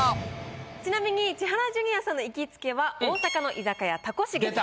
ちなみに千原ジュニアさんの行きつけは大阪の居酒屋たこしげです。